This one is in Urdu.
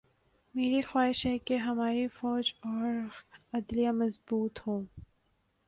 میری خواہش ہے کہ ہماری فوج اور عدلیہ مضبوط ہوں۔